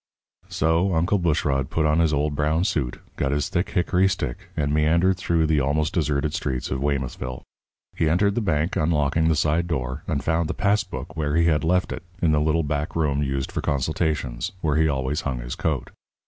So, Uncle Bushrod put on his old brown suit, got his thick hickory stick, and meandered through the almost deserted streets of Weymouthville. He entered the bank, unlocking the side door, and found the pass book where he had left it, in the little back room used for consultations, where he always hung his coat.